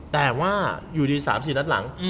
แต่ว่าอยู่ดี๓๔นัดหลัง